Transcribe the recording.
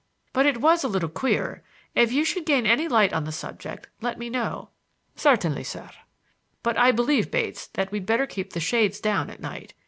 "But it was a little queer. If you should gain any light on the subject, let me know." "Certainly, sir." "But I believe, Bates, that we'd better keep the shades down at night.